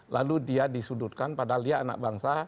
lalu dia disudutkan padahal dia anak bangsa